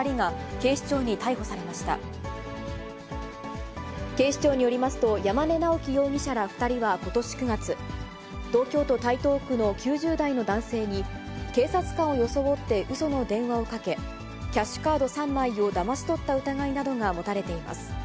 警視庁によりますと、山根尚喜容疑者ら２人はことし９月、東京都台東区の９０代の男性に、警察官を装ってうその電話をかけ、キャッシュカード３枚をだまし取った疑いなどが持たれています。